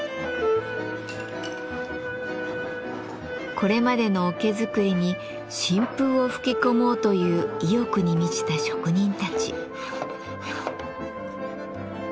これまでの桶作りに新風を吹き込もうという意欲に満ちた職人たち。